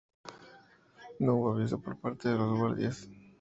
No hubo aviso por parte de los guardias.